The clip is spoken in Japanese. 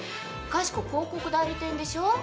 かしこ広告代理店でしょ？